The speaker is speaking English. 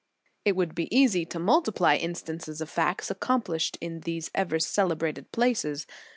f It would be easy to multiply instances of facts accomplished in those ever celebrated places.